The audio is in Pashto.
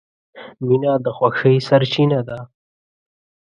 • مینه د خوښۍ سرچینه ده.